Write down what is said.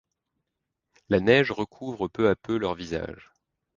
La neige recouvre peu à peu leurs visages.